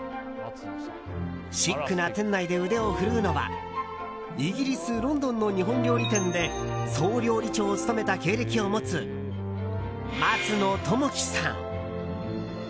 シックな店内で腕を振るうのはイギリス・ロンドンの日本料理店で総料理長を務めた経歴を持つ松野友喜さん。